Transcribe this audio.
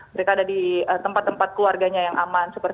mereka ada di tempat tempat keluarganya yang aman